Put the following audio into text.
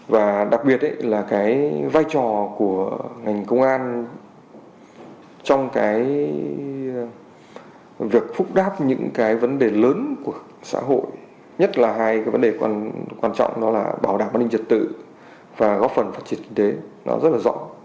và góp phần phát triển kinh tế nó rất là rõ